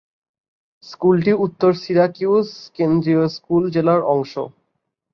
স্কুলটি উত্তর সিরাকিউস কেন্দ্রীয় স্কুল জেলার অংশ।